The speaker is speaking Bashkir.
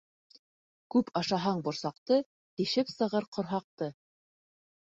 Күп ашаһаң борсаҡты -Тишеп сығыр ҡорһаҡты.